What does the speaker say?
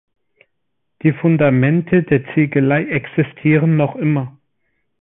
Die Fundamente der Ziegelei existieren noch immer.